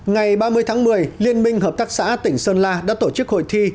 ngày ba mươi tháng một mươi liên minh hợp tác xã tỉnh sơn la đã tổ chức hội thi